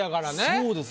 そうです